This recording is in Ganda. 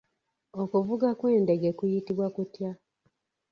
Okuvuga kw’endege kuyitibwa kutya?